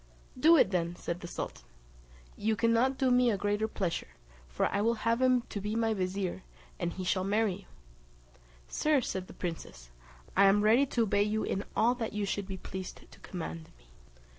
"Do it then," said the sultan, "you cannot do me a greater pleasure; for I will have him to be my vizier, and he shall marry you." "Sir," said the princess, "I am ready to obey you in all that you should be pleased to command me."